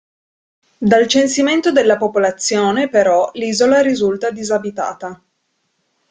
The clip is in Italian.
Dal censimento della popolazione, però, l'isola risulta disabitata.